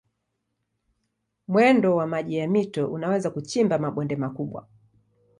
Mwendo wa maji ya mito unaweza kuchimba mabonde makubwa.